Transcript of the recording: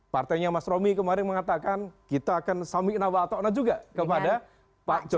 partainya mas romy kemarin mengatakan kita akan samik nawak atau nak juga kepada pak jokowi